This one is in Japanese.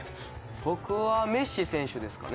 僕はメッシ選手ですかね。